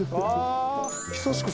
久しく